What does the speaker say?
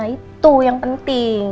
itu yang penting